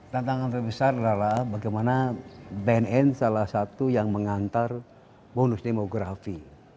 tantangan terbesar adalah bagaimana bnn salah satu yang mengantar bonus demografi